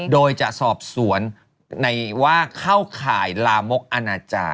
โดยจะสอบสวนในว่าเข้าข่ายลามกอนาจารย์